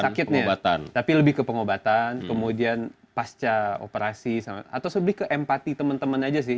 sakit pengobatan tapi lebih ke pengobatan kemudian pasca operasi atau lebih ke empati teman teman aja sih